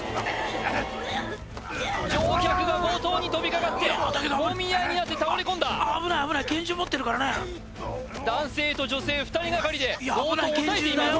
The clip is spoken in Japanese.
乗客が強盗に飛びかかってもみ合いになって倒れ込んだ危ない危ない拳銃持ってるからね男性と女性２人がかりで強盗を押さえています